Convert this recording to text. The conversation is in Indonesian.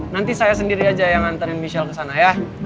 nanti saya sendiri aja yang nganterin michelle kesana ya